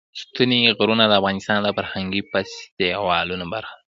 ستوني غرونه د افغانستان د فرهنګي فستیوالونو برخه ده.